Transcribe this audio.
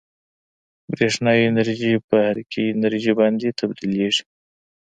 برېښنايي انرژي په حرکي انرژي باندې تبدیلیږي.